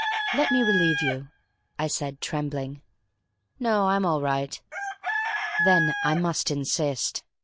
"Let me relieve you," I said, trembling. "No, I'm all right." "Then I must insist."